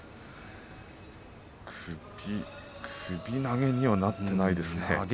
首投げにはなっていませんね。